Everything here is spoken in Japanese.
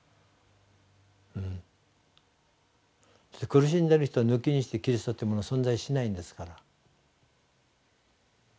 苦しんでる人を抜きにしてキリストというものは存在しないんですから。